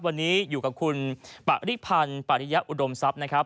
วันนี้อยู่กับคุณปริพันธ์ปริยะอุดมทรัพย์นะครับ